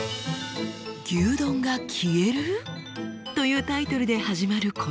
「牛丼が消える！？」というタイトルで始まるこの記事。